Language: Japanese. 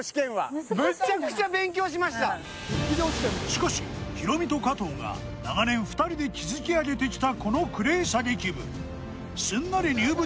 しかし、ヒロミと加藤が長年、２人で築き上げてきたクレー射撃部。